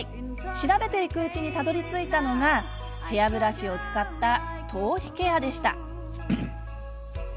調べていくうちにたどりついたのがヘアブラシを使った頭皮ケアでした。